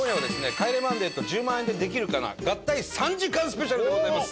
『帰れマンデー』と『１０万円でできるかな』合体３時間スペシャルでございます。